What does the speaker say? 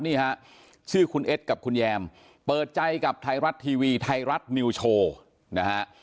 นี่ฮะชื่อคุณเอ็ดกับคุณแยมเปิดใจกับไทยรัฐทีวีไทยรัฐนิวโชว์นะฮะ